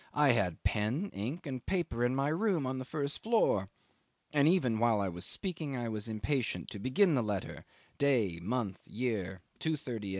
I had pen, ink, and paper in my room on the first floor And even while I was speaking I was impatient to begin the letter day, month, year, 2.30 A.M. ..